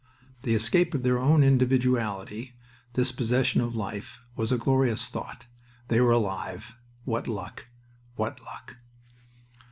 The escape of their own individuality, this possession of life, was a glorious thought. They were alive! What luck! What luck!